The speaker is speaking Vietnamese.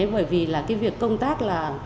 bởi vì là cái việc công tác là